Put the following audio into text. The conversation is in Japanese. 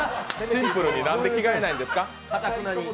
シンプルになんで着替えないんですか？